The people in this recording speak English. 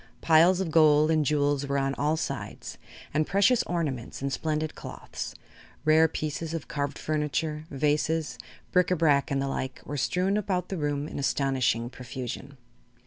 Piles of gold and jewels were on all sides and precious ornaments and splendid cloths, rare pieces of carved furniture, vases, bric a brac and the like, were strewn about the room in astonishing profusion.